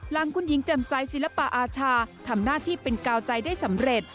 หลังคุณหญิงแจ่มใสศิลปะอาชาทำหน้าที่เป็นกาวใจได้สำเร็จ